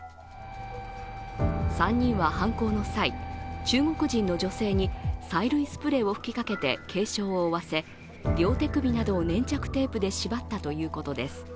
３人は犯行の際、中国人の女性に催涙スプレーを吹きかけて軽傷を負わせ両手首などを粘着テープで縛ったということです。